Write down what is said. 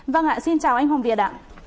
vâng ạ xin chào anh hoàng việt ạ